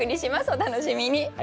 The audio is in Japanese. お楽しみに。